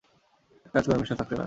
এক কাজ করুন, মিস্টার সাক্সেনা।